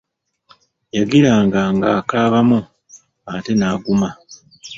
Yagiranga ng’akaabamu, ate n’aguma.